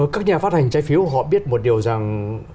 các nhà phát hành trái phiếu họ biết một điều rằng